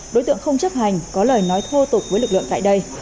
đối tượng không chấp hành có lời nói thô tục với lực lượng tại đây